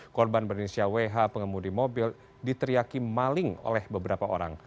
korban berinisial wh pengemudi mobil diteriaki maling oleh beberapa orang